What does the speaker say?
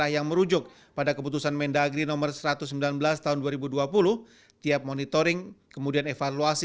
yang merujuk pada keputusan mendagri nomor satu ratus sembilan belas tahun dua ribu dua puluh tiap monitoring kemudian evaluasi